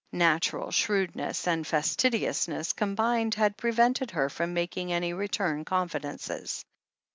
Natural shrewdness and fastidi ousness combined had prevented her from making any return confidences.